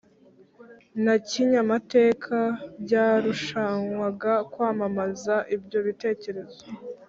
na Kinyamateka byarushanwaga kwamamaza ibyo bitekerezo